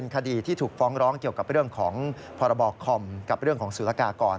กับเรื่องของพรบคอมกับเรื่องของศูลกากร